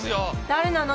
誰なの？